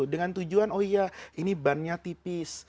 dengan tujuan oh iya ini bannya tipis